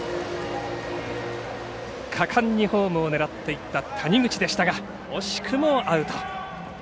果敢にホームを狙っていった谷口でしたが惜しくもアウト。